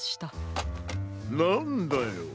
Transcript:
なんだよ。